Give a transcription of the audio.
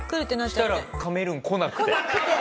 そしたらカメルーン来なくて。